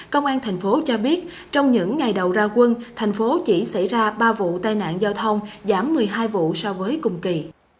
công an thành phố cho biết trong những ngày đầu ra quân thành phố chỉ xảy ra ba vụ tai nạn giao thông giảm một mươi hai vụ so với cùng kỳ